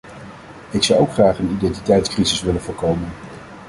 Ik zou ook graag een identiteitscrisis willen voorkomen.